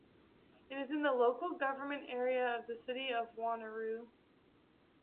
It is in the local government area of the City of Wanneroo.